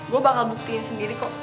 gue bakal buktiin sendiri kok